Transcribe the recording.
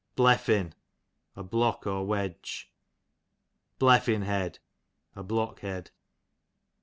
Bleffin, a block or icedge. Bleffin head, a blockhead.